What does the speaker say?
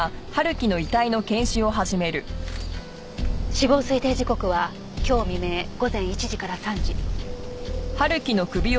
死亡推定時刻は今日未明午前１時から３時。